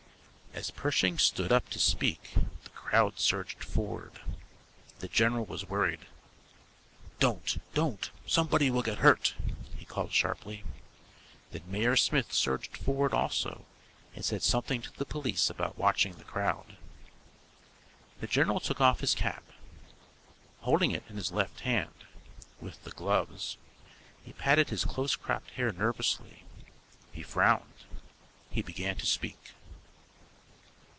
As Pershing stood up to speak the crowd surged forward. The general was worried. "Don't, don't! Somebody will get hurt!" he called sharply. Then Mayor Smith surged forward also and said something to the police about watching the crowd. The general took off his cap. Holding it in his left hand (with the gloves) he patted his close cropped hair nervously. He frowned. He began to speak.